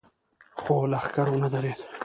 خو لښکر ونه درېد.